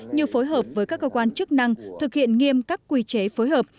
như phối hợp với các cơ quan chức năng thực hiện nghiêm các quy chế phối hợp